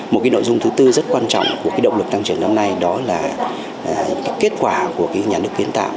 một cái nội dung thứ tư rất quan trọng của cái động lực tăng trưởng năm nay đó là kết quả của nhà nước kiến tạo